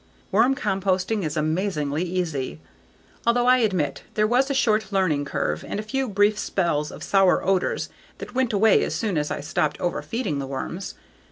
Worm composting is amazingly easy, although I admit there was a short learning curve and a few brief spells of sour odors that went away as soon as I stopped overfeeding the worms.